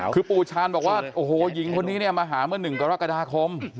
คือปูชาญบอกว่าโอ้โหหญิงคนนี้มาหาเมื่อหนึ่งกรกฎาคม